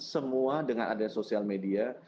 semua dengan adanya sosial media